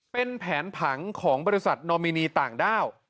เป็นแผนผังของบริษัทนอมินีต่างด้าว